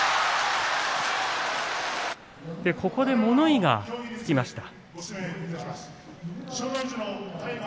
ここで物言いがつきました。